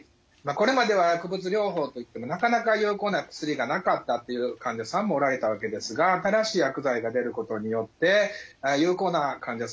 これまでは薬物療法といってもなかなか有効な薬がなかったっていう患者さんもおられたわけですが新しい薬剤が出ることによって有効な患者さんが増えてくる。